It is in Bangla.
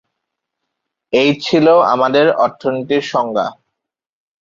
এই ছিল আমাদের অর্থনীতির সংজ্ঞা।